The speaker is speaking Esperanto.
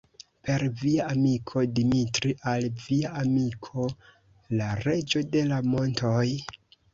Per via amiko Dimitri, al via amiko la Reĝo de la montoj?